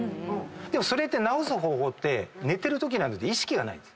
それって治す方法って寝てるときなんで意識がない。